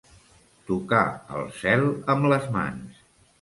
Tocar el cel amb les mans.